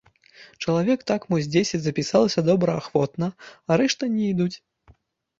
Чалавек так мо з дзесяць запісалася добраахвотна, а рэшта не ідуць.